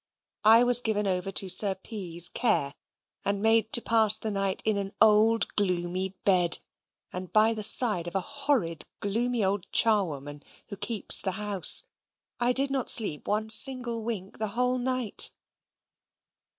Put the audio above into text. I was given over to Sir P.'s care, and made to pass the night in an old gloomy bed, and by the side of a horrid gloomy old charwoman, who keeps the house. I did not sleep one single wink the whole night.